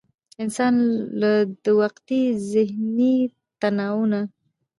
انسان له د وقتي ذهني تناو نه